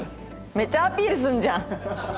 めっちゃアピールするじゃん！